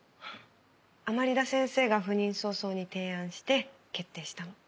甘利田先生が赴任早々に提案して決定したの。